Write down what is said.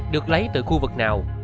được lấy từ khu vực nào